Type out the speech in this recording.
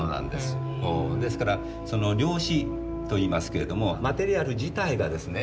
ですから料紙といいますけれどもマテリアル自体がですね